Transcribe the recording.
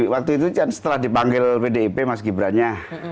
waktu itu setelah dipanggil pdip mas gibrannya